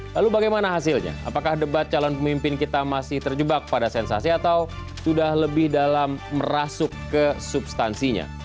lalu bagaimana hasilnya apakah debat calon pemimpin kita masih terjebak pada sensasi atau sudah lebih dalam merasuk ke substansinya